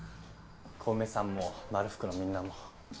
小梅さんもまるふくのみんなも。